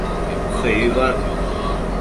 卒于官。